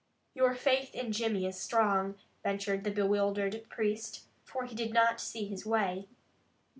"Your faith in Jimmy is strong," ventured the bewildered priest, for he did not see his way.